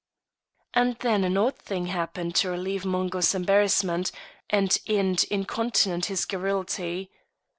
And then an odd thing happened to relieve Mungo's embarrassment and end incontinent his garrulity.